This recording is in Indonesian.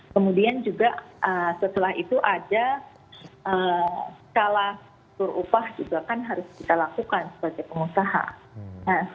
kemudian juga setelah itu ada skalatur upah juga kan harus kita lakukan sebagai pengusaha